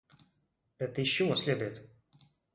Это из чего следует?